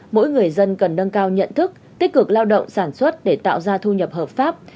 mỗi người dân cần nâng cao nhận thức tích cực lao động sản xuất để tạo ra thu nhập hợp pháp